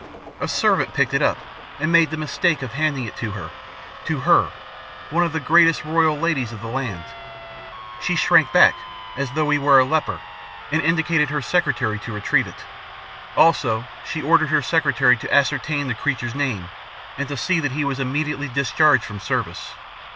A servant picked it up and made the mistake of handing it to her to her, one of the greatest royal ladies of the land! She shrank back, as though he were a leper, and indicated her secretary to receive it. Also, she ordered her secretary to ascertain the creature's name and to see that he was immediately discharged from service.